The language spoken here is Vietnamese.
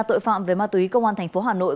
tội phạm về ma túy công an tp hà nội